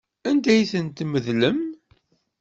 Anda ay ten-tmeḍlem?